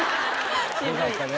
よかったね。